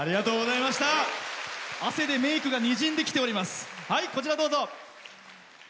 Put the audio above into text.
汗でメークがにじんできております。